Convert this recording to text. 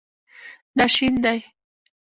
دا شین دی